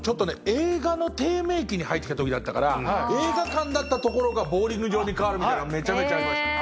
映画の低迷期に入ってたときだったから映画館だったところがボウリング場に替わるみたいなのめちゃめちゃありましたね。